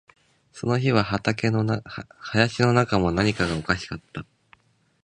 その日は林の中も、何かがおかしかった